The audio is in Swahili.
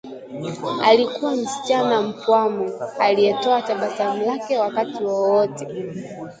Alikuwa msichana mpwamu aliyetoa tabasamu lake wakati wowote